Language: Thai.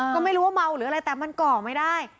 ก็ไม่รู้ว่าเมาหรืออะไรแต่มันก่อไม่ได้